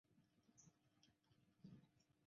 接连搭车赶到了医院